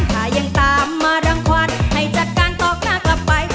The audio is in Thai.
ถ้ายังตามมารังควันให้จัดการตอบหน้ากลับไป